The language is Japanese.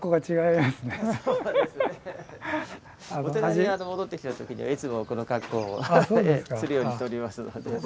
お寺に戻ってきた時にはいつもこの格好をするようにしております。